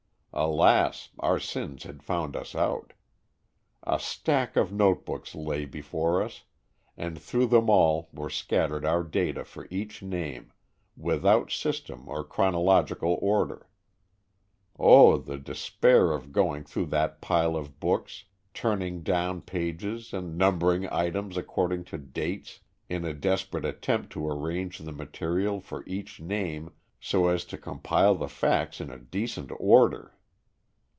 Alas! our sins had found us out! A stack of notebooks lay before us, and through them all were scattered our data for each name, without system or chronological order. Oh, the despair of going through that pile of books, turning down pages and numbering items according to dates, in a desperate attempt to arrange the material for each name so as to compile the facts in a decent order!